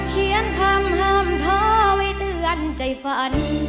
เขียนคำห้ามเธอไว้เตือนใจฝัน